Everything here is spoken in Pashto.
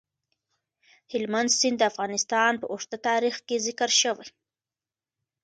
هلمند سیند د افغانستان په اوږده تاریخ کې ذکر شوی.